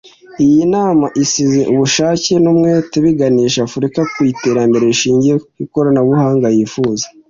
Iyi nama isize ubushake n’umwete biganisha Afurika ku iterambere rishingiye ku ikoranabuhanga yifuza